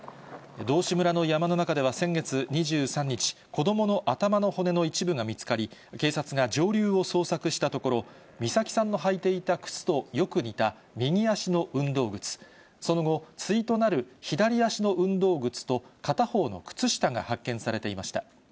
道志村の山の中では先月２３日、子どもの頭の骨の一部が見つかり、警察が上流を捜索したところ、美咲さんの履いていた靴とよく似た右足の運動靴、その後、ついとなる左足の運動靴と片方の靴下が発見されていました。